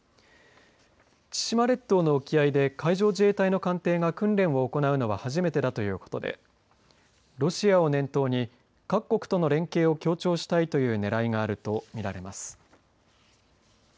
千島列島の沖合で海上自衛隊の艦艇が訓練を行うのは初めてだということでロシアを念頭に、各国との連携を強調したいというねらいがあると見られます。